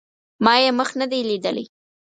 ما یې مخ نه دی لیدلی